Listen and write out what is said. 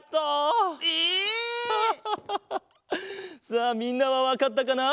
さあみんなはわかったかな？